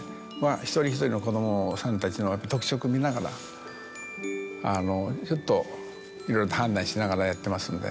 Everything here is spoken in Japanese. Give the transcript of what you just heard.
一人一人の子どもさんたちの特色見ながらちょっといろいろと判断しながらやってますので。